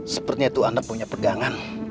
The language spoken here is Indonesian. sepertinya tuh anak punya pegangan